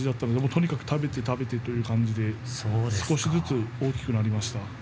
とにかく、食べて食べてという感じで少しずつ大きくなりました。